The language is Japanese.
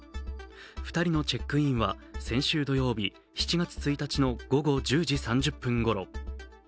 ２人のチェックインは先週土曜日、７月１日の午後１０時３０分ごろ。